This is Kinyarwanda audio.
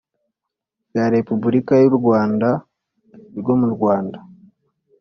rya Repubulika y u Rwanda ryo murwanda